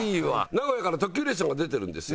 名古屋から特急列車が出てるんですよ